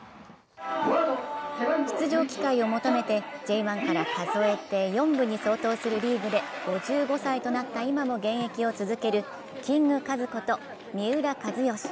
出場機会を求めてＪ１から数えて４部に相当するリーグで５５歳となった今も現役を続けるキングカズこと三浦知良。